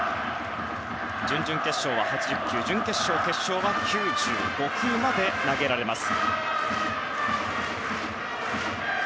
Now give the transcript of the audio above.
準々決勝は８０球準決勝、決勝は９５球まで投げられます。